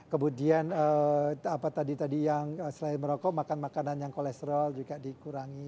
kemudian apa tadi tadi yang selain merokok makan makanan yang kolesterol juga dikurangi